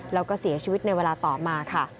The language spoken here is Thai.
แล้วก็เสียชีวิตในเวลาต่อมาค่ะ